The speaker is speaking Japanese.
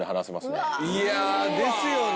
いやですよね。